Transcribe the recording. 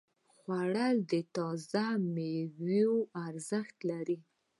خوړل د تازه ميوو ارزښت لري